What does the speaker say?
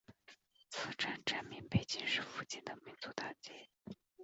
此站站名背景是附近的民族大街。